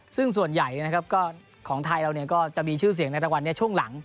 ซึ่งส่วนใหญ่ของไทยเราก็จะมีชื่อเสียงในตะวันช่วงหลัง